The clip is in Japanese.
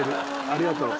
ありがとう。